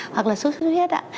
hoặc là sốt huyết ạ